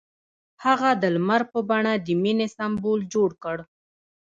هغه د لمر په بڼه د مینې سمبول جوړ کړ.